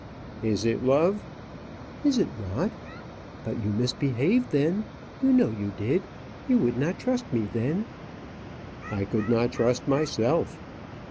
"Is it, love?" "Is it not? But you misbehaved then you know you did. You would not trust me then." "I could not trust myself."